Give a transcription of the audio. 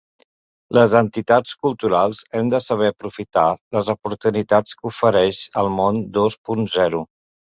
Les entitats culturals hem de saber aprofitar les oportunitats que ofereix el món dos punt zero.